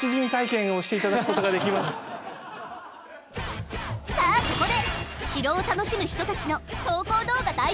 ここで城を楽しむ人たちの投稿動画大集合！